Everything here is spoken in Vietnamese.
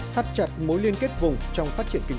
thắt chặt mối liên kết vùng trong phát triển kinh tế